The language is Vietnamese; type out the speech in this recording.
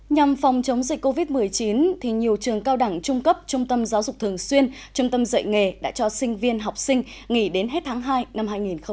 nhằm phòng chống dịch covid một mươi chín nhiều trường cao đẳng trung cấp trung tâm giáo dục thường xuyên trung tâm dạy nghề đã cho sinh viên học sinh nghỉ đến hết tháng hai năm hai nghìn hai mươi